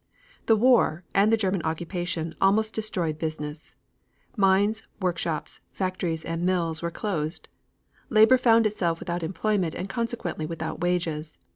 The war, and the German occupation, almost destroyed business. Mines, workshops, factories and mills were closed. Labor found itself without employment and consequently without wages.